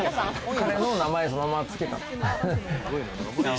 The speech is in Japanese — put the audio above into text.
彼の名前をそのままつけた。